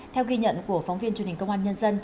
theo ghi nhận của phóng viên truyền hình công an nhân dân